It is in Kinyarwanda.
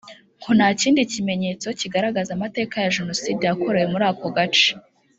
ngo nta kindi kimenyetso kigaragaza amateka ya Jenoside yakorewe muri ako gace